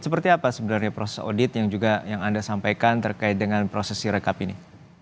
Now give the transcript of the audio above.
seperti apa sebenarnya proses audit yang anda sampaikan terkait dengan proses sirekap ini